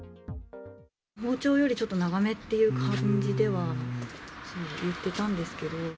包丁よりちょっと長めって感じでは、言ってたんですけど。